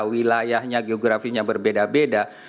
wilayahnya geografinya berbeda beda